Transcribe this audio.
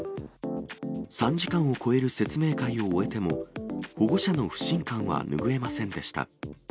３時間を超える説明会を終えても、保護者の不信感は拭えませんでした。